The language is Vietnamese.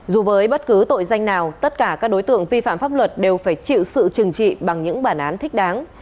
dù với bất cứ tội danh nào tất cả các đối tượng vi phạm pháp luật đều phải chịu sự trừng trị bằng những bản án thích đáng